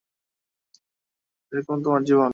তাহলে এরকম তোমার জীবন!